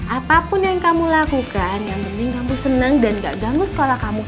apapun yang kamu lakukan yang penting kamu senang dan gak ganggu sekolah kamu